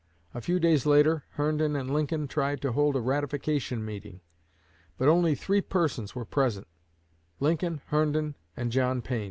A few days later, Herndon and Lincoln tried to hold a ratification meeting; but only three persons were present Lincoln, Herndon, and John Pain.